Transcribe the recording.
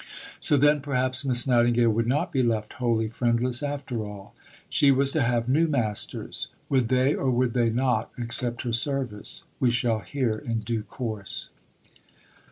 So, then, perhaps Miss Nightingale would not be left wholly friendless after all. She was to have new masters. Would they, or would they not, accept her service? We shall hear in due course.